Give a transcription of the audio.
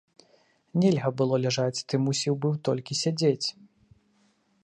Нельга было ляжаць, ты мусіў быў толькі сядзець.